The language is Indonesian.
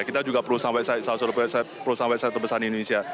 kita juga perusahaan website terbesar di indonesia